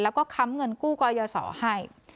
แล้วก็ค้ำเงินกู้กอยสอให้